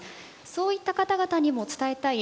そういった方々にも伝えたい